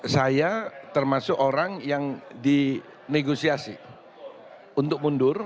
saya termasuk orang yang di negosiasi untuk mundur